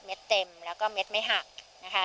เต็มแล้วก็เม็ดไม่หักนะคะ